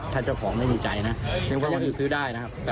ถ้าเจ้าของไม่มีใจนะนึกว่าก็คือซื้อได้นะครับ